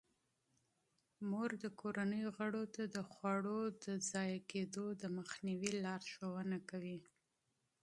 مور د کورنۍ غړو ته د خوړو د ضایع کیدو د مخنیوي لارښوونه کوي.